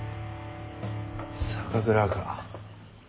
酒蔵か。